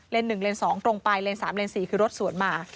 เลนส์๑เลนส์๒ตรงไปเลนส์๓เลนส์๔คือรถสวนมา